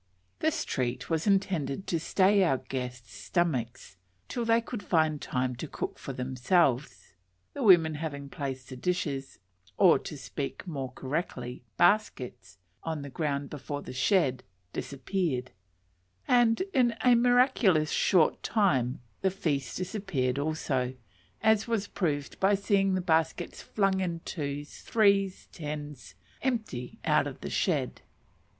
This treat was intended to stay our guests' stomachs till they could find time to cook for themselves. The women having placed the dishes, or, to speak more correctly, baskets, on the ground before the shed, disappeared; and in a miraculously short time the feast disappeared also, as was proved by seeing the baskets flung in twos, threes, and tens, empty out of the shed.